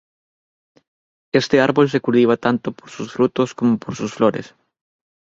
Este árbol se cultiva tanto por su fruto como por sus flores.